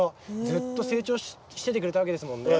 ずっと成長しててくれたわけですもんね。